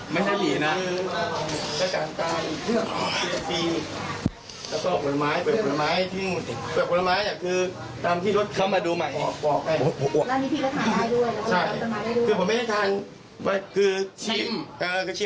มันเค้าเล่นแล้วก็กาดน้ำสศส